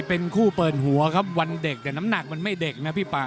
เป็นคู่เปิดหัวครับวันเด็กแต่น้ำหนักมันไม่เด็กนะพี่ป่า